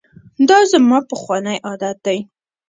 دا زما پخوانی عادت دی.